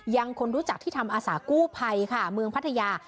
ยังคนรู้จักที่ทำอาสากู้ภัยค่ะเมืองพัทยา